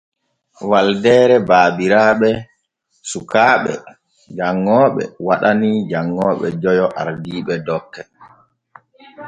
Waldeere baabiraaɓe sukaaɓe janŋooɓe waɗanii janŋooɓe joyo ardiiɓe dokke.